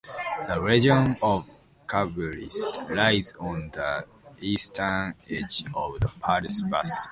The region of Chablis lies on the eastern edge of the Paris Basin.